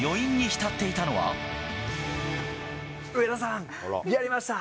上田さん、やりました！